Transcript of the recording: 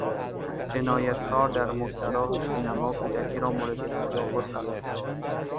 جنایتکار در مستراح سینما کودکی را مورد تجاوز قرار داد.